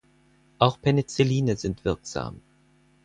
Auch Penicilline sind wirksam.